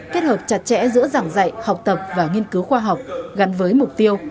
kết hợp chặt chẽ giữa giảng dạy học tập và nghiên cứu khoa học gắn với mục tiêu